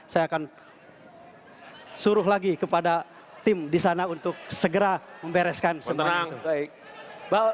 saya akan suruh lagi kepada tim di sana untuk segera membereskan semua itu